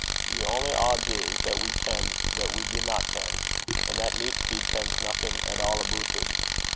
The only odds is, that we ken that we dinna ken, and the neep seed kens nothing at all aboot it.